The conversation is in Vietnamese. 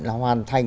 là hoàn thành